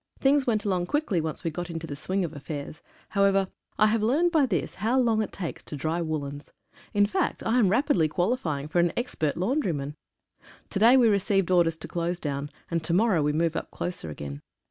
Things went along quickly once we got into the swing of affairs. However, I have learned by this how long it takes to dry woollens. In fact, I am rapidly qualifying for an expert laundryman. To day we re ceived orders to close down, and to morrow we move up closer again.